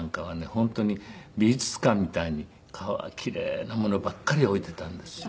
本当に美術館みたいに奇麗なものばっかり置いていたんですよ。